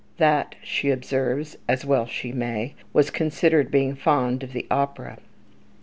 "That," she observes, as well she may, "was considered being fond of the opera."